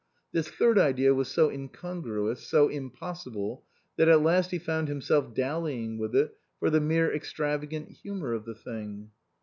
This third idea was so incongruous, so impossible, that at last he found himself dallying with it for the mere extravagant humour of the thing.